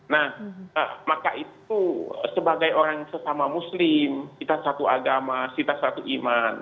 nah maka itu sebagai orang sesama muslim kita satu agama kita satu iman